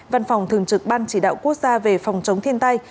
văn phòng thường trực ban chỉ đạo quốc gia về phòng chống thiên tai